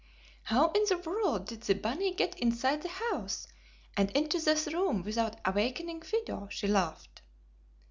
"How in the world did the bunny get inside the house and into this room without awakening Fido?" she laughed.